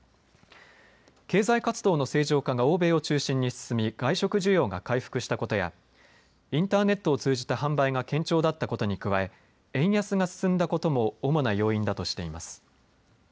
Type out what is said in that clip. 経済活動の正常化が欧米を中心に進み、外食需要が回復したことやインターネットを通じた販売が堅調だったことに加え円安が進んだことも主な要因だとしています。